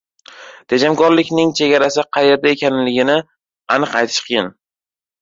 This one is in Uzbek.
Tejamkorlikning chegarasi qayerda ekanligini aniq aytish qiyin.